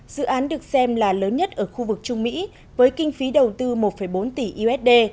dự án được xem là lớn nhất ở khu vực trung mỹ với kinh phí đầu tư một bốn tỷ usd